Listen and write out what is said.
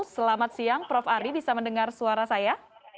selamat siang prof ari bisa mendengar suara saya